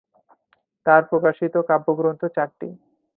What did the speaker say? তার প্রকাশিত কাব্যগ্রন্থ চারটি।